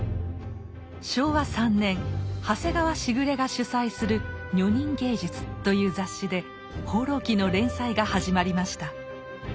昭和３年長谷川時雨が主宰する「女人芸術」という雑誌で「放浪記」の連載が始まりました。